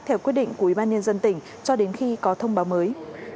theo quyết định của ubnd tỉnh cho đến khi có thông báo mới